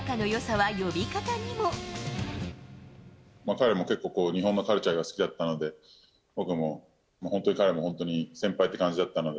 彼も結構、日本のカルチャーが好きだったので、僕も本当、彼も本当に先輩って感じだったので、